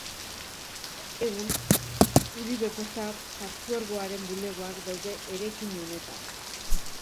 Egun Uribe-Kosta Partzuergoaren bulegoak daude eraikin honetan.